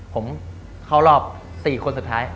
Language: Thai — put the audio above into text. ผมเข้ารอบ๔คนสุดท้าย